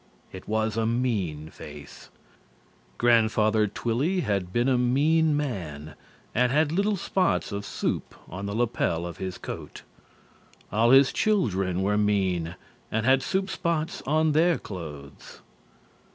It was a mean face. Grandfather Twilly had been a mean man and had little spots of soup on the lapel of his coat. All his children were mean and had soup spots on their clothes.